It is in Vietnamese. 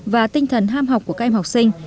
và tinh thần ham học của các em học sinh